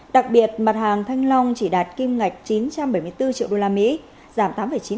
đặc biệt mặt hàng thanh long chỉ đạt kim ngạch chín trăm bảy mươi bốn triệu usd giảm tám chín